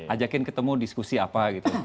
ajakin ketemu diskusi apa gitu